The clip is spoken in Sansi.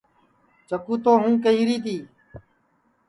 چکُو تو ہوں کیہری تی